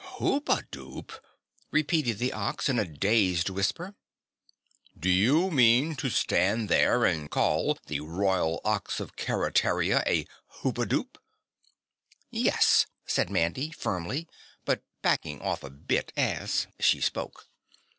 "Hoopadoop!" repeated the Ox in a dazed whisper. "Do you mean to stand there and call the Royal Ox of Keretaria a Hoopadoop?" "Yes," said Mandy firmly but backing off a bit as she spoke.